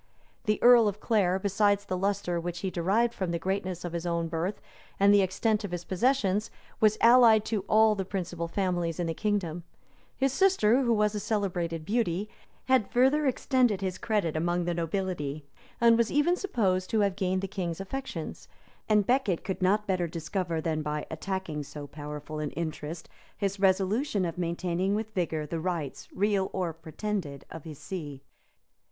The earl of Clare, besides the lustre which he derived from the greatness of his own birth and the extent of his possessions, was allied to all the principal families in the kingdom; his sister, who was a celebrated beauty, had further extended his credit among the nobility and was even supposed to have gained the king's affections; and Becket could not better discover, than by attacking so powerful an interest, his resolution of maintaining with vigor the rights, real or pretended, of his see.